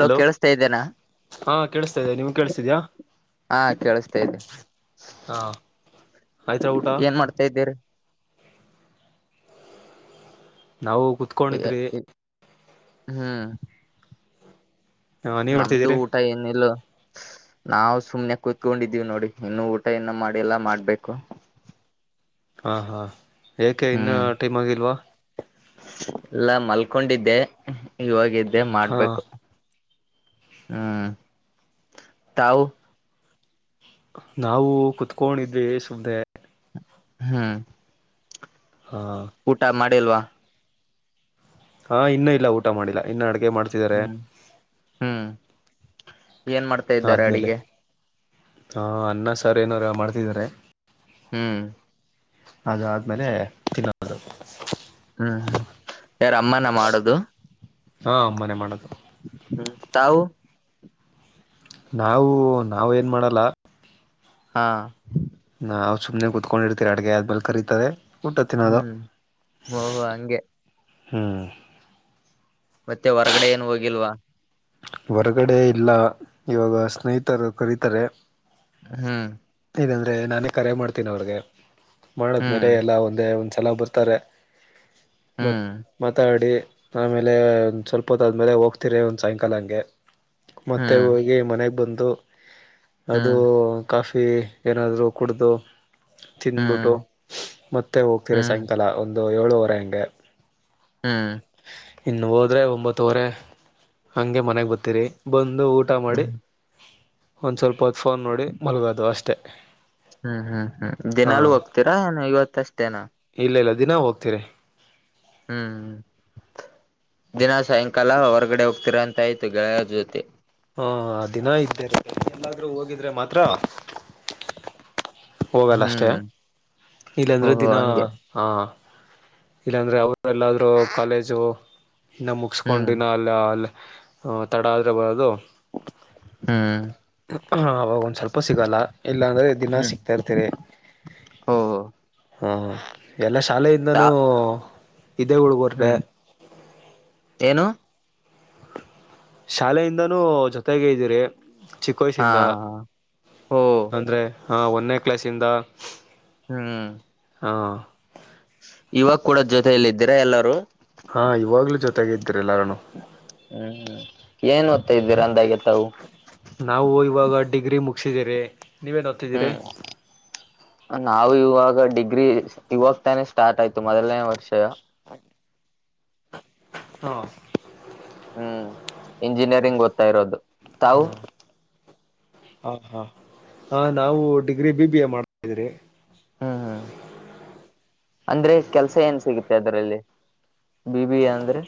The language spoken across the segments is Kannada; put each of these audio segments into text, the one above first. ಹಲೋ ಕೇಳಿಸತಾ ಇದ್ದೇನಾ ಹಾ ಕೇಳಿಸ್ತಾ ಇದೇ ನೀಮ್ ಕೇಳಿಸತಿದ್ಯಾ. ಹಾ ಕೇಳಿಸತಾ ಇದ್ದೆ ಹಾ ಆಯ್ತಾ ಊಟ ಏನ್ ಮಾಡ್ತಾ ಇದ್ದೀರಿ. ನಾವು ಇ ಕುೂತ್ಕೊಂಡಿದ್ರಿ ಹ್ಮ್ ನೀವ್ ನಮ್ದು ಮಾಡ್ತಿದ್ದೀರಿ ಊಟ ಏನಿಲ್ಲ ನಾವು ಸುಮ್ನೆ ಕುೂತ್ಕೊಂಡಿದ್ದೀವಿ ನೋಡಿ ಇನ್ನುೂ ಊಟ ಇನ್ನ ಮಾಡಿ ಎಲ್ಲಾ ಮಾಡ್ಬೇಕು. ಹಾಂ ಹಾಂ ಏಕೆ ಇನ್ನೂ ಟೈಮ ಆಗಲ್ವಾ ಇಲ್ಲ ಮಲ್ಕೊಂಡಿದ್ದೆ ಇಗಿದ್ದೆ ಹಾ ಮಾಡ್ಬೇಕು. ಹ್ಮ್ ತವು ನಾವು ಕುತ್ಕೊಂಡಿದ್ವಿ ಸುಮ್ದೆ. ಹ್ಮ್ ಹಾ ಊಟ ಮಾಡಿಲ್ವಾ ಹಾ ಇನ್ನೂ ಇಲ್ಲ ಊಟ ಮಾಡಿಲ್ಲ ಇನ್ನ ಅಡಗೆ ಮಾಡ್ ಹ್ಮ್ ಹ್ಮ್ ಏನ್ ಮಾಡ್ತ ಆದ್ಮೇಲೆ ಹಾ ಅನ್ನ ಸಾರ್ ಏನಾರ ಮಾಡ್ತಿದಿದ್ದಾರೆ. ಹ್ಮ್ ಅದಾದ್ಮೇಲೆ [unintelligible] ಹ್ಮ್ ಯಾರ ಅಮ್ಮನ ಮಾಡದು ಹಾ ಮನೆ ಮಾಡೋದು ಹ್ಮ್ ತಾವು ನಾವು ನಾವು ಏನು ಮಾಡಲ್ಲ ಹಾ ನಾವ ಸುಮ್ನೆ ಕುತ್ಕೊಂಡಿರ್ತೀರಿ ಅಡ್ಗೆ ಆದ್ಮೇಲೆ ಕರೀತಾರೆ. ಊಟ ತಿನೋದ ಹ್ಮ್ ಓಹೋ ಹಂಗೆ ಹ್ಞ ಮತ್ತೆ ಹೊರಗಡೆ ಏನ್ ಹೋಗಿಲ್ವಾ ಹೊರಗಡೆ ಇಲ್ಲ ಇವಾಗ ಸ್ನೇಹಿತರು ಕರಿತಾರೆ. ಹ್ಮ್. ಅಂದ್ರೆ ನಾನೇ ಕರೆ ಮಾಡ್ತೀನಿ ಅವ್ರ್ಗೆ ಹ್ಮ್ ಮಾಡದ್ಮೇಲೆ ಎಲ್ಲಾ ಒಂದೇ ಒಂದ್ ಸಲ ಬರ್ತ್. ಬರ್ತರೆ ಮತ್ ಹ್ಮ್ ಮಾತಾಡಿ. ಆಮೇಲೆ ಒಂದ್ ಸೊಲ್ಪತ್ ಆದ್ಮೇಲೆ ಹೋಗ್ತಿರಿ ಒಂದ್ ಸಾಯಂಕಾಲ ಹಂಗೆ. ಮತ್ತೆ ಹ್ಮ್ ಹೋಗಿ ಮನೆಗ್ ಬಂದು. ಅದು ಹ್ಮ್ ಕಾಫಿ ಏನಾದ್ರು ಕುಡ್ದು. ತಿನ್ಬಿಟ್ಟು ಹ್ಮ್ ಮತ್ತೆ ಹೋಗ್ತಿರಿ ಹ್ಮ್ ಹ್ಮ್ ಸೇಯಿಂಕಾಲ ಒಂದು ಏಳುವರೆ ಹಂಗೆ. ಹ್ಮ್. ಇನ್ ಹೋದ್ರೆ ಒಂಬತ್ತುವರೆ. ಹಂಗೆ ಮನೆಗ್ ಬತೀರಿ ಬಂದು ಊಟ ಮಾಡಿ. ಹ್ಮ್ ಹ್ಮ್ ಒಂದ್ ಸ್ವಲ್ಪವತ್ ಫೋನ್ ನೋಡಿ ಮಾಲ್ಗದು ಅಷ್ಟೇ. ಹ್ಮ್ ಹ್ಮ್ ಹ್ಮ್ ದಿನಲು ಹೋಗ್ತೀರಾ ಏನ್ ಇವತ್ತಷ್ಟೇನ. ಇಲ್ ಇಲ್ಲ ದಿನಾ ಹೋಗ್ತೀರಿ. ಹ್ಮ್ ದಿನ ಸಯಿಂಕಾಲ ಹೊರ್ಗಡೆ ಹೋಗ್ತೀರಾ ಅಂತ್ ಆಯ್ತು ಗೆಳಿಯರ್ ಜೊತಿ. ಹಾ ದಿನ ಇದ್ದೇರಿತ್ಯಾಗಿ ಎಲ್ಲಾದ್ರೂ ಹೋಗಿದ್ರೆ ಮಾತ್ರ. ಹೋಗಲ್ಲ ಅಷ್ಟೇ ಹ್ಮ್ ಇಲ್ಲಂದ್ರೆ ಓಹೋ ದಿನ. ಹಂಗೆ ಹ ಇಲ್ಲಾಂದ್ರೆ ಅವರ್ ಎಲ್ಲಾದ್ರೂ ಕಾಲೇಜು ಇನ್ನ ಮುಗಿಸಕೊಂಡ್ ಹ್ಮ್ ಇನ್ನ ಅಲ್. ಇಲ್ಲ ಅಲ್ ತಡ ಆದ್ರೆ ಬರದು. ಹ್ಮ್. ಹ ಅವಾಗ್ ಒಂದ್ ಸ್ವಲ್ಪ ಸಿಗಲ್ಲ ಇಲ್ಲಾಂದ್ರೆ ದಿನ ಹ್ಮ್ ಸಿಗ್ತ ಇರ್ತೀರಿ. ಓಹೋ ಹಾ ಎಲ್ಲ ತಾ ಶಾಲೆಯಿಂದಾನೂ. ಇದೇ ಹುಡುಗುರ್ದೆ. ಹ್ಮ್ ಏನು. ಶಾಲೆಯಿಂದಾನೂ ಜೊತೆಗೆ ಇದ್ದೀರಿ ಚಿಕ್ ಹಾ ವಯಸ್ಸಿಂದ ಓ ಅಂದ್ರೆ. ಹಾ ಒನ್ನೆ ಕ್ಲಾಸಿಂದ. ಹ್ಮ್ಮ್. ಹಾ. ಇವಾಗ್ ಕೂಡ ಜೊತೆಲ್ ಇದ್ದೀರಾ ಎಲ್ಲಾರೂ. ಹಾ ಇವಾಗ್ಲುೂ ಜೊತೆಗ್ ಇದ್ದೀರ್ ಎಲ್ಲಾರುನು. ಹ್ಮ್ ಏನ್ ಓತ್ತ ಇದ್ದೀರಾ ಅಂದಾಗೆ ತಾವು. ನಾವು ಇವಾಗ ಡಿಗ್ರಿ ಮುಗ್ಸಿದಿರಿ. ಹ್ಮ್. ನಾವು ಇವಾಗ ಡಿಗ್ರಿ ಇವಾಗ್ ತಾನೆ ಸ್ಟಾರ್ಟ್ ಆಯ್ತು ಮೊದಲ್ನೇ ವರ್ಷ. [inaudible] ಹಾ. ಹ್ಮ್ ಇಂಜಿನಿಯರಿಂಗ್ ಓತ್ತ ಇರೋದು. ತಾವು ಹಾ. ಹಾ ಹಾ ಹ ನಾವು ಡಿಗ್ರಿ ಬಿ ಬಿ ಎ ಮಾಡ್ತಿದ್ರಿ. ಹ್ಮ್ ಹ್ಮ್ ಅಂದ್ರೆ ಕೆಲ್ಸ ಏನ್ ಸಿಗುತ್ತೆ ಅದ್ರಲ್ಲಿ. ಬಿ ಬಿ ಎ ಅಂದ್ರೆ.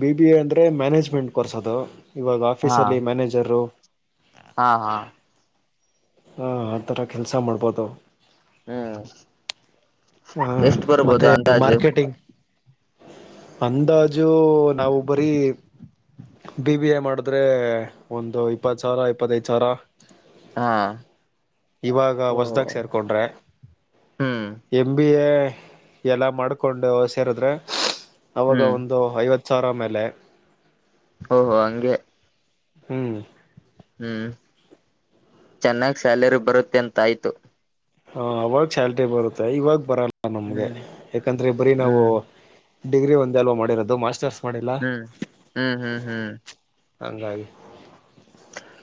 ಬಿ ಬಿ ಎ ಅಂದ್ರೆ ಮ್ಯಾನೇಜ್ಮೆಂಟ್ ಕೋರ್ಸ್ ಅದು ಇವಾಗ ಹಾ ಆಫೀಸಲ್ಲಿ ಮ್ಯಾನೇಜರು. ಹಾ ಹಾ. ಹಾ ಅತರ ಕೆಲ್ಸ ಮಾಡ್ಬೋದು. ಹ್ಮ್. ಹಾ ಎಷ್ಟು ಬರ್ಬೋದು ಮತ್ತೆ ಅಂದಾಜು ಮಾರ್ಕೆಟಿಂಗ್. ಅಂದಾಜು ನಾವು ಬರೀ. ಬಿ ಬಿ ಎ ಮಾಡಿದ್ರೆ ಒಂದು ಇಪ್ಪತ್ ಸಾವ್ರ ಇಪ್ಪತೈದ್ ಸಾವ್ರ. ಹಾ ಇವಾಗ ಓಹ ಹೊಸ್ದಾಗ್ ಸೇರ್ಕೊಂಡ್ರೆ. ಹ್ಮ್. ಎಮ್ ಬಿ ಎ ಎಲ್ಲ ಮಾಡ್ಕೊಂಡು ಸೇರುದ್ರೆ ಅವಾಗ ಹ್ಮ್ ಒಂದು ಐವತ್. ಚಾರ ಮೇಲೆ ಓಹೋ ಹಂಗೆ ಹ್ಮಞೂ ಹ್ಮ್ ಚೆನ್ನಾಗ್ ಸ್ಯಾಲರಿ ಬರುತ್ತೆ ಅಂತ ಆಯ್ತು ಹ ಅವಾಗ ಚಲ್ಟಿ ಬರುತ್ತೆ ಇವಾಗ ಬರಲ್ಲ ನಮ್ಗೆ ಹ್ಮ್ ಯಾಕಂದ್ರೆ ಬರೀ ನಾವು ಹ್ಮ್ ಡಿಗ್ರಿ ಒಂದ ಅಲ್ವಾ ಮಾಡಿರೋದು ಮಾಸ್ಟರ್ಸ್ ಮಾಡಿಲ್ಲ ಹ್ಮ್ ಹ್ಮ್ ಹ್ಮ್ ಹ್ಮ್ ಹ ಹಾಗಾಗಿ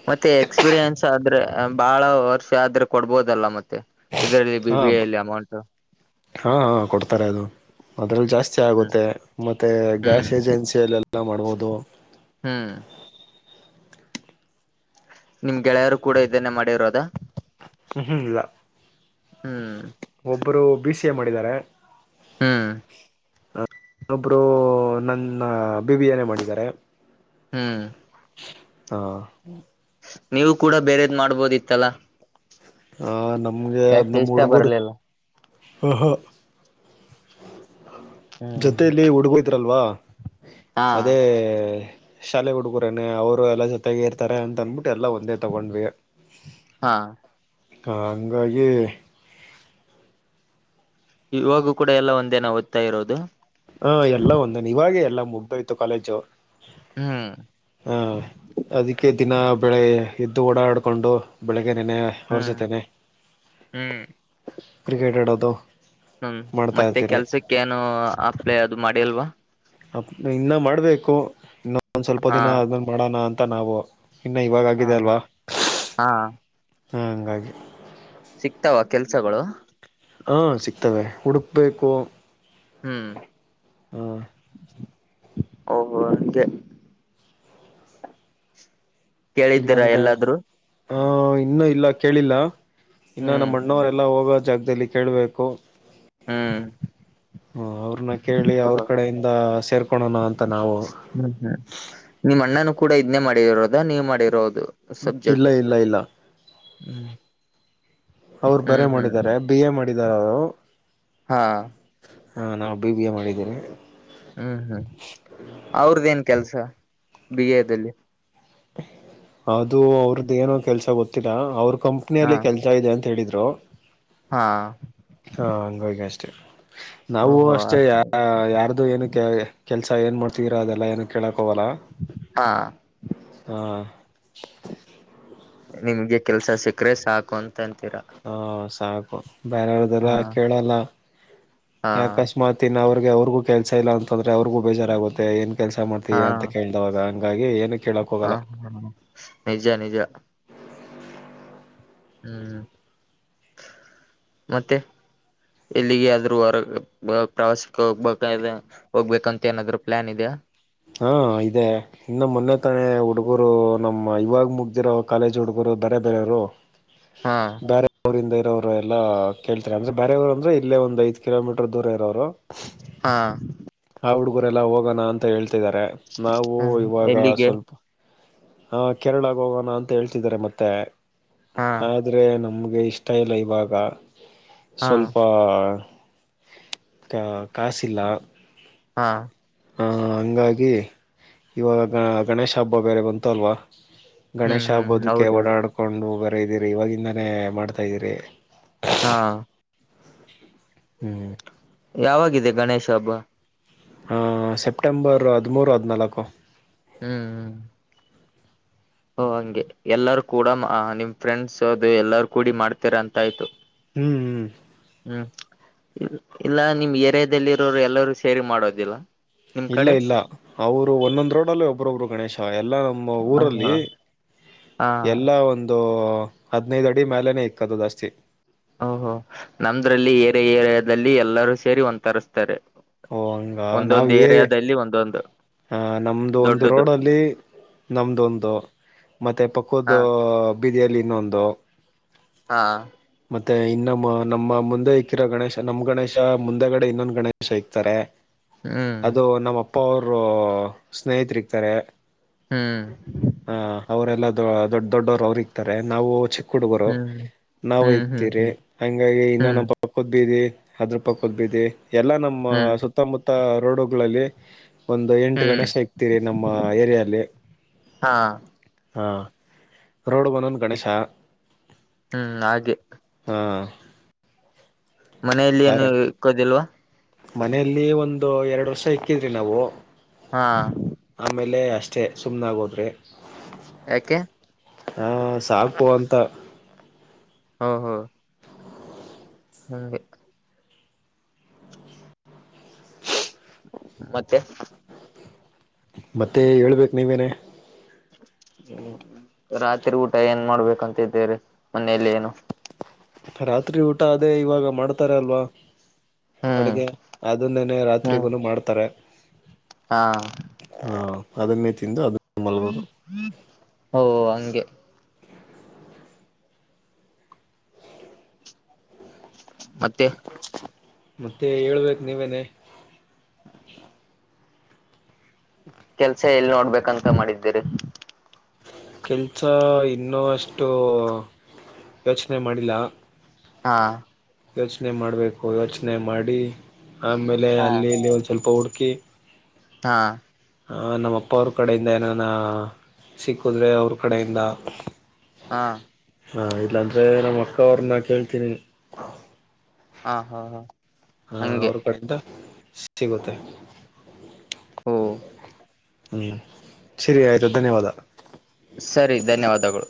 ಮತ್ತೆ ಎಕ್ಸ್ಪೀರಿಯನ್ಸ್ ಆದ್ರೆ ಬಹಳ ವರ್ಷ ಆದ್ರೆ ಕೊಡ್ಬೋದಲ್ಲ ಮತ್ತೆ ಇದರಲ್ಲಿ ಬಿ ಹಾ ಬಿ ಐ ಅಲ್ಲಿ ಅಮೌಂಟ್ ಹಾ ಕೊಡ್ತಾರೆ ಅದು ಅದ್ರಲ್ಲಿ ಜಾಸ್ತಿ ಹ್ಮ್ ಆಗುತ್ತೆ ಮತ್ತೆ ಹ್ಮ್ ಗ್ಯಾಸ್ ಏಜೆನ್ಸಿ ಸೇಲೆ ಎಲ್ಲ ಮಾಡ್ಬೋದು ಹ್ಮ್ ನಿಮ್ ಗೆಳೆಯರು ಕೂಡ ಇದನ್ನೇ ಮಾಡಿರೋದ ಞ ಹ್ಞೂ ಇಲ್ಲ ಹ್ಮ್ ಒಬ್ಬರು ಬಿ ಸಿ ಎ ಮಾಡಿದ್ದಾರೆ ಹ್ಮ ನನ್ನೊಬ್ಬರು ನನ್ನ ಬಿಬಿಯನೇ ಮಾಡಿದ್ದಾರೆ ಹ್ಮ್ ಹಾ ನೀವು ಕೂಡ ಬೇರದ್ ಮಾಡ್ಬೋದಿತ್ತಲ್ಲಾ ಹ ನಮ್ಗೆ ಯಾಕೆ ನಮ್ಮ್ ಇಷ್ಟ ಹುಡುಗರು ಬರ್ಲಿಲ್ಲ ಹ ಹ ಹ್ಮ್ ಜೊತೆಯಲ್ಲಿ ಹುಡುಗೋಯತ್ರಲ್ವಾ ಹಾ ಅದೇ ಶಾಲೆ ಹುಡುಗರೇನೆ ಅವರು ಎಲ್ಲ ಜೊತೆಗ ಇರ್ತಾರೆ ಅಂತ ಅಂದ್ಬಿಟ್ಟು ಎಲ್ಲ ಒಂದೇ ತಗೊಂಡ್ವಿ ಹಾ ಹಂಗಾಗಿ ಇವಾಗೂ ಕೂಡ ಎಲ್ಲ ಒಂದೇನ ಓದ್ತ ಇರೋದು ಹಾ ಎಲ್ಲ ಒಂದ ಇವಾಗೆ ಎಲ್ಲ ಮುಗ್ದೋಯ್ತು ಕಾಲೇಜು ಹ್ಮ್ ಅದಕ್ಕೆ ದಿನ ಬೆಳೆ ಎದ್ದು ಓಡಾಡಿಕೊಂಡು ಬೆಳಗ್ಗೆ ನೆನೆ ಹ್ಮ್ ಹೊರ್ಸುತ್ತೇನೆ ಹ್ಮ್ ಕ್ರಿಕೆಟ್ ಆಡೋದು ಹ್ಮ್ ಮಾಡ್ತಾ ಮತ್ತೆ ಇರ್ತೀನಿ ಕೆಲ್ಸಕ್ಕ ಏನು ಅಪ್ಲೈ ಅದು ಮಾಡಿ ಅಲ್ವಾ ಅ ಇನ್ನೂ ಮಾಡಬೇಕು ಇನ್ನೊೊಂದು ಸ್ವಲ್ಪ ಹಾ ದಿನ ಅದನ್ನು ಮಾಡೋಣ ಅಂತ ನಾವು ಇನ್ನು ಇವಾಗ ಆಗಿದೆ ಅಲ್ವಾ ಹಾ ಹ ಹಂಗಾಗಿ ಸಿಗ್ತಾವ ಕೆಲ್ಸಗಳು ಹಾಂ ಸಿಗ್ತವೆ ಹುಡುಕ್ಬೇಕು ಹ್ಮ್ ಹ್ಮ್ ಓಹ ಹಾಗೆ ಇಲ್ಲ ಕೇಳಿದ್ದೀರಾ ಅಂದ್ರೆ ಎಲ್ಲಾದ್ರೂ ಹ ಇನ್ನುೂ ಇಲ್ಲ ಕೇಳಿಲ್ಲ ಇನ್ನ ಹ್ಮ್ ನಮ್ಮ ಅಣ್ಣವರ ಎಲ್ಲ ಹೋಗೋ ಜಾಗದಲ್ಲಿ ಕೇೇಳಬೇಕು ಹ್ಮ್ ಅವ್ರನ್ನ ಕೇಳಿ ಅವ್ರ ಹ್ಮ್ ಕಡೆಯಿಂದ ಸೇರ್ಕೊಳೋಣ ಅಂತ ನಾವು ಹ್ಮ್ ಹ್ಮ್ ನಿಮ್ ಅಣ್ಣನು ಕೂಡ ಇದ್ನೇ ಮಾಡಿರೋದ ನೀವ್ ಮಾಡಿರೋದು ಇಲ್ಲ ಸಬ್ಜೆಕ್ಟ್ ಇಲ್ಲ ಇಲ್ಲ ಹ್ಮ್ ಅವ್ರು ಬರೆ ಹ್ಮ್ ಮಾಡಿದಿದ್ದಾರೆ ಬಿ ಎ ಮಾಡಿದಾರ ಅವರು ಹಾ ಹಾಂ ನಾವು ಬಿ ಬಿ ಎ ಮಾಡಿದ್ದೇವಿ ಹ್ಮ್ ಹ್ಮ್ ಅವ್ರದ ಏನ್ ಕೆಲ್ಸ ಬಿಗದಲ್ಲಿ ಅದು ಅವ್ರದ್ದು ೇನೋ ಕೆಲಸ ಗೊತ್ತಿಲ್ಲ ಅವ್ರ ಹಾ ಕಂಪ್ನಿಯಲ್ಲಿ ಕೆಲಸ ಇದೆ ಅಂತ ಹೇಳಿದರು ಹಾ ಹಾ ಹಂಗೋಗ ಅಷ್ಟೇ ನಾವು ಓಹೋ ಅಷ್ಟೇ ಯ ಯಾರ್ದು ಏನು ಕೆ ಕೆಲಸ ಏನು ಮಾಡ್ತೀರೋ ಅದೆಲ್ಲ ಏನನು ಕೇಳೋಕ್ಕ ಅವವಲ್ಲ ಹಾ ಹಾ ನಿಮ್ಗೆ ಕೆಲ್ಸ ಸಿಕ್ಕ್ರೆ ಸಾಕು ಅಂತ ಅಂತೀರಾ ಹ ಸಾಕು ಬೇರೆವ್ರ್ದಲ್ಲ ಹಾ ಕೇಳಲ್ಲ ಹಾ ಯಕಸ್ಮಾತ್ ಇನ್ ಅವ್ರಿಗೆ ಅವ್ರಿಗೂ ಕೆಲ್ಸ ಇಲ್ಲ ಅಂತಂದ್ರೆ ಅವ್ರಿಗೂ ಬೇಜಾರಾಗುತ್ತೆ ಏನ್ ಕೆಲಸ ಹಾ ಮಾಡ್ತೀಯ ಅಂತ ಕೇಳ್ದಾಗ ಹಂಗಾಗಿ ಏನು ಕೇಳಕ್ ಹೋಗಲ್ಲ ಹ್ಮ ನಿಜ ನಿಜ ಹ್ಮ್ ಮತ್ತೆ ಎಲ್ಲಿಗೆ ಆದ್ರೂ ಹೊರಗ್ ಪ್ರವಾಸಕ್ಕೆ ಹೋಗ್ಬೇಕಾದ ಹೋಗ್ಬೇಕಂತ ಏನಾದ್ರು ಪ್ಲಾನ್ ಇದಿಯಾ ಹಾಂ ಇದೆ ಇನ್ನು ಮೊನ್ನೆ ತಾನೆ ಹುಡುಗರು ನಮ್ಮ ಇವಾಗ ಮುಗ್ದಿರೋ ಕಾಲೇಜ್ ಹುಡುಗರು ಬರೆ ಬೇರೆಯವರು ಹಾ ಬ್ಯಾರೆ ಅವರಿಂದ ಇರೋರು ಎಲ್ಲ ಕೇಳ್ತಾರೆ ಅಂದ್ರೆ ಬೇರೆ ಊರು ಅಂದ್ರೆ ಇಲ್ಲ ಒಂದ್ ಐದು ಕಿಲೋ ಮೀಟರ್ ದೂರ ಇರೋರು ಹಾ ಹಾ ಹುಡ್ಗರೆಲ್ಲ ಹೋಗೋಣ ಅಂತ ಹೇಳ್ತಿದ್ದಾರೆ ನಾವು ಇವಾಗ ಎಲ್ಲಿಗೆ ಸ್ವಲ್ಪ ಆ ಕೇರಳಕ್ಕೆ ಹೋಗೋಣ ಅಂತ ಹೇಳ್ತಿದ್ದಾರೆ ಮತ್ತೆ ಹಾ ಆದ್ರೆ ನಮ್ಗೆ ಇಷ್ಟ ತೈಲ ಇವಾಗ ಹಾ ಸ್ವಲ್ಪ ಕ ಕಾಸಿಲ್ಲ ಹಾ ಹಾ ಹಾಂಗಾಗಿ ಇವಾಗ ಗಣೇಶ ಹಬ್ಬ ಬೇರೆ ಬಂತು ಅಲ್ವಾ ಹ್ಮ್ ಗಣೇಶ ಹ್ಮ್ ಹಬ್ಬೋದಕ್ಕೆ ಹೌದೌದು ಓಡಾಡ್ಕೊಂಡು ಬರ್ದೀರಿ ಇವಾಗಿಂದಾನೇ ಮಾಡ್ತಾ ಇದ್ದೀರಿ ಹಾ ಹ್ಮ್ ಯಾವಾಗಿದೆ ಗಣೇಶ ಹಬ್ಬ ಹಾ ಸೆಪ್ಟೆಂಬರ್ ಹದಿಮೂರು ಹದಿನಾಲ್ಕು ಹ್ಮ್ ಹ್ಮ್ ಓ ಹಂಗೆ ಎಲ್ಲಾರೂ ಕೂಡ ನಿಮ್ ಫ್ರೆಂಡ್ಸ್ ಅದು ಎಲ್ಲಾರ ಕೂಡಿ ಮಾಡ್ತಿರಾ ಅಂತ ಆಯ್ತು ಹ್ಮ್ ಹ್ಮ್ ಹ್ಮ್ ಇಲ್ಲ ನಿಮ್ ಏರಿಯಾದಲ್ಲಿ ಇರೋರು ಎಲ್ಲರೂ ಸೇರಿ ಮಾಡೋದಿಲ್ಲ ನಿಮ್ ಇಲ್ಲ ಕಡೆ ಇಲ್ಲ ಅವರು ಒಂದೊಂದ್ ರೋಡ್ ಅಲ್ಲೂ ಒಬ್ಬ್ರೊಬ್ರು ಗಣೇಶ ಎಲ್ಲ ನಮ್ಮ ಓಹೋ ಊರಲ್ಲಿ ಹಾ ಎಲ್ಲ ಒಂದ್ ಅದು ಹದಿನೈದು ಅಡಿ ಮೇಲೇನೆ ಇಕ್ಕದು ಜಾಸ್ತಿ ಓಹೋ ನಮ್ದ್ರಲ್ಲಿ ಏರಿಯ ಏರಿಯಾದಲ್ಲಿ ಎಲ್ಲರೂ ಸೇರಿ ಒಂದ್ ತರಸ್ಸ್ತಾರೆ ಓ ಹಂಗ ನಾವ್ ಒಂದೊಂದು ಏ ಏರಿಯಾದಲ್ಲಿ ಒಂದೊಂದು ನಮ್ದು ಒಂದು ದೊಡ್ಡದು ರೋಡಲ್ಲಿ ನಮ್ದೊಂದು ಮತ್ತೆ ಹಾ ಪಕೂದ್ದು ಬೀದಿಯಲ್ಲಿ ಇನ್ನೊಂದು ಹಾ ಮತ್ತೆ ಇನ್ನುಮ್ಮ ನಮ್ಮ ಮುಂದೆ ಇಕ್ಕಿರೋ ಗಣೇಶ ನಮ್ ಗಣೇಶ ಮುಂದೆಗಡೆ ಇನ್ನೊಂದು ಗಣೇಶ ಇಕ್ತಾರೆ ಹ್ಮ್ ಅದು ನಮ್ಮ ಅಪ್ಪ ಅವರು ಸ್ನೇಹಿತರು ಇಕ್ತಾರೆ ಹ್ಮ್ ಹಾ ಅವರೆಲ್ಲಾ ದೊಡ್ಡ ದೊಡ್ಡವರು ಅವ್ರ ಇಕ್ತರೆ ನಾವು ಚಿಕ್ ಹುಡುಗುರು ಹ್ಮ್ ನಾವು ಹ್ಮ್ ಹ್ಮ್ ಇಕ್ತಿರಿ ಹ್ಮ್ ಹಂಗಾಗಿ ಇನ್ನಾನ ಹ್ಮ್ ಪಕ್ಕದ್ ಬೀದಿ ಅದ್ರೂ ಪಕ್ಕದ್ ಬಿದಿ ಎಲ್ಲ ನಮ್ಮ ಹ್ಮ್ ಸುತ್ ಸುತ್ತಮುತ್ತ ರೋಡುಗಳಲ್ಲಿ ಒಂದು ಎಂಟು ಹ್ಮ್ ಗಣೇಶ ಇಕ್ತಿವಿ ನಮ್ಮ ಏರಿಯಲ್ಲಿ ಹಾ ಹಾ ರೋಡ್ಗ್ ಒಂದೊಂದು ಗಣೇಶ ಹ್ಮ್ ನಾಗಿ ಹಾ ಮನೆಯಲ್ಲಿ ಯಾರ ಏನು ಇಕ್ಕೋದಿಲ್ವಾ. ಮನೆಯಲ್ಲಿ ಒಂದು ಎರಡು ವರ್ಷ ಇಕ್ಕಿದ್ವಿ ನಾವು. ಹಾ. ಆಮೇಲೆ ಅಷ್ಟೇ ಸುಮ್ಮ್ನೆಾಗೋದ್ರೆ. ಯಾಕೆ. ಹೂ ಸಾಕು ಅಂತ. [unintelligible] ಹಂಗೆ. ಮತ್ತೆ. ಮತ್ತೆ ಹೇಳ್ಬೇಕು ನೀವೇನೆ. ಹ. ಹ್ಮ್ ರಾತ್ರಿ ಊಟ ಏನ್ ಮಾಡ್ಬೇಕಂತಿದ್ದೇ್ರೀ ಮನೇೆಯಲ್ಲಿ ಏನು. ರಾತ್ರಿ ಊಟ ಅದೇ ಇವಾಗ ಮಾಡ್ತಾರ ಅಲ್ವಾ. ಹ್ಮ್ ಅಡುಗೆ ಅದನ್ನೇನೆ ಹ್ಮ್ ರಾತ್ರಿಗೂ ಮಾಡ್ತಾರೆ. ಹಾ. ಹಾ ಅದನ್ನೇ ತಿಂದು ಅದು ಮಲ್ವದು. ಹ್ಮ ಓ ಹಂಗೆ. ಮತ್ತೆ. ಮತ್ತೆ ಹೇಳ್ಬೇಕು ನೀವೇನೆ. ಕೆಲ್ಸ ಎಲ್ಲಿ ನೋಡ್ಬೇಕಂತ ಮಾಡಿದ್ದೀರಿ. ಕೆಲ್ಸ ಇನ್ನೂ ಅಷ್ಟು ಯೋಚನೆ ಮಾಡಿಲ್ಲ. ಹಾ. ಯೋಚನೆ ಮಾಡಬೇಕು ಯೋಚನೆ ಮಾಡಿ ಆಮೇಲೆ ಹಾ ಅಲ್ಲಿ ನೀವು ಒಂದು ಸ್ವಲ್ಪ ಹುಡುಕಿ. ಹಾ. ನಮ್ಮ ಅಪ್ಪ ಅವ್ರ ಕಡೆಯಿಂದ ಏನಾನ ಸಿಕ್ಕಿದ್ರೆ ಅವ್ರ ಕಡೆಯಿಂದ. ಹಾ. ಹಾಂ ಇಲ್ಲಾಂದರೆ ನಮ್ಮ ಅಕ್ಕ ಅವ್ರನ್ನ ಕೇಳ್ತೀನಿ. ಹಾ ಹಾ ಹಾ. ಹಾ ಹಂಗೆ ಅವ್ರ ಕಡಿಂದ ಸಿಗುತ್ತೆ. ಹ್ಮ. ಹ್ಮ್ ಸರಿ ಆಯ್ತು ಧನ್ಯವಾದ. ಸರಿ ಧನ್ಯವಾದಗಳು.